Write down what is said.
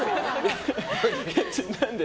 何で？